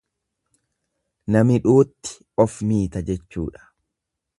Na midhuutti of miita jechuudha.